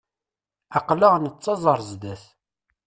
Aql-aɣ nettaẓ ar zdat.